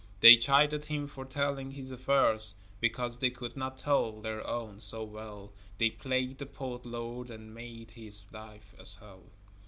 They chided him for telling his affairs, Because they could not tell their own so well, They plagued the poet lord and made his life a hell.